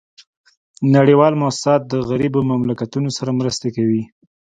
نړیوال موسسات د غریبو مملکتونو سره مرستي کوي